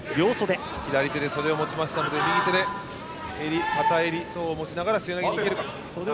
左手で袖を持ちましたので右手で片襟等を持ちながら技に行けるか。